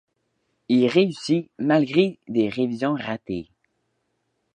Il réussit, malgré des révisions ratées.